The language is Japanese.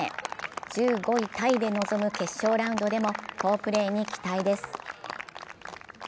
１５位タイで臨む決勝ラウンドでも好プレーに期待です。